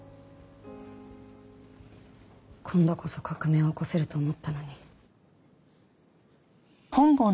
今度こそ革命を起こせると思ったのに。